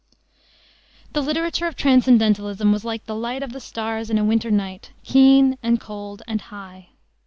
The literature of transcendentalism was like the light of the stars in a winter night, keen and cold and high.